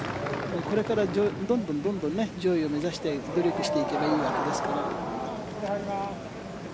これからどんどん上位を目指して努力していけばいいわけですから。